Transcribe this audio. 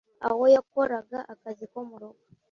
Aho yakoraga akazi ko mu rugo